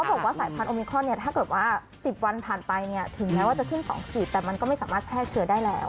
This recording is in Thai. บอกว่าสายพันธุมิครอนเนี่ยถ้าเกิดว่า๑๐วันผ่านไปเนี่ยถึงแม้ว่าจะขึ้น๒ขีดแต่มันก็ไม่สามารถแพร่เชื้อได้แล้ว